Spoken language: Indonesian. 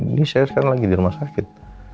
ini saya sekarang lagi di rumah sakit